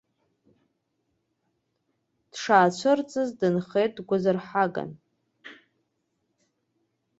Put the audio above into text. Дшаацәырҵыз дынхеит дгәазырҳаган.